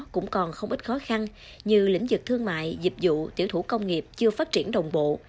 cũng còn không ít khó khăn như lĩnh vực thương mại dịch vụ tiểu thủ công nghiệp chưa phát triển đồng bộ